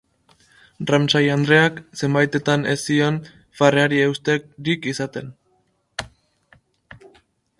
Ramsay andreak zenbaitetan ez zion farreari eusterik izaten.